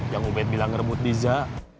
yang ubed bilang ngerebut diza